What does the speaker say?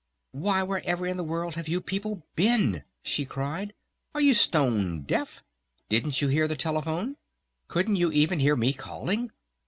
"Why wherever in the world have you people been?" she cried. "Are you stone deaf? Didn't you hear the telephone? Couldn't you even hear me calling?